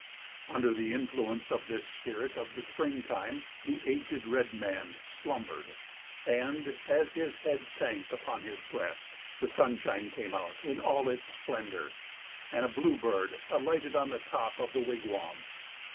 Under the influence of this spirit of the springtime the aged red man slumbered and, as his head sank upon his breast, the sunshine came out in all its splendor and a blue bird alighted upon the top of the wigwam.